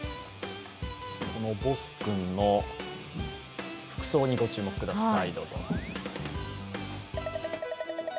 このＢＯＳＳ君の服装にご注目ください。